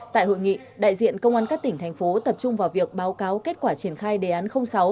tại hội nghị đại diện công an các tỉnh thành phố tập trung vào việc báo cáo kết quả triển khai đề án sáu